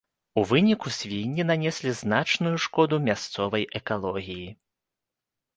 У выніку свінні нанеслі значную шкоду мясцовай экалогіі.